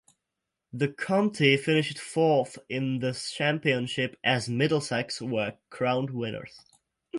The county finished fourth in the Championship as Middlesex were crowned winners.